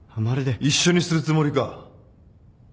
一緒にするつもりか。